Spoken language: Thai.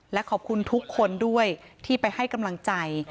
และขอบคุณทุกคนด้วยที่ไปให้กำลังใจ